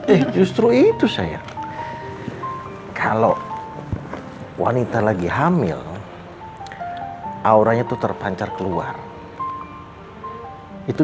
eh justru itu saya kalau wanita lagi hamil auranya itu terpancar keluar itu